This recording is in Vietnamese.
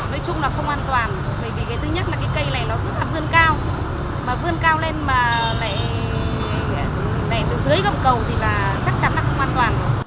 nói chung là không an toàn bởi vì thứ nhất là cây này nó rất là vươn cao mà vươn cao lên mà lại từ dưới gầm cầu thì chắc chắn là không an toàn